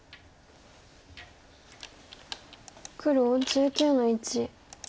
黒１９の一。